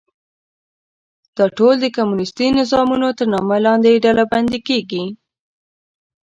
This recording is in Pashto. دا ټول د کمونیستي نظامونو تر نامه لاندې ډلبندي کېږي.